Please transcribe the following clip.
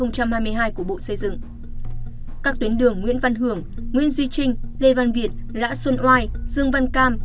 các tuyến đường nguyễn văn hưởng nguyên duy trinh lê văn việt lã xuân oai dương văn cam